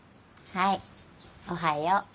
はいおはよう。